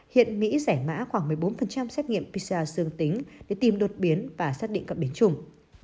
hiện mỹ rẻ mã khoảng một mươi bốn xét nghiệm pcr xương tính để tìm đột biến và xác định cặp biến chủng